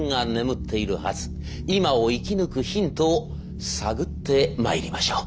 今を生き抜くヒントを探ってまいりましょう。